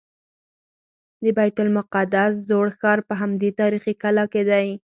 د بیت المقدس زوړ ښار په همدې تاریخي کلا کې دی.